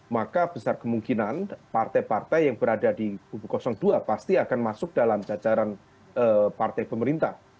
maka besar kemungkinan partai partai yang berada di kubu dua pasti akan masuk dalam jajaran partai pemerintah